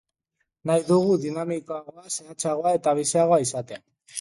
Nahi dugu dinamikoagoa, zehatzagoa eta biziagoa izatea.